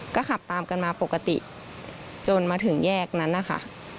ก็ขับตามกันมาปกติจนมาถึงแยกนั้นนะคะ